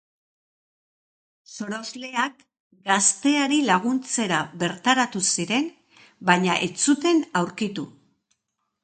Sorosleak gazteari laguntzera bertaratu ziren, baina ez zuten aurkitu.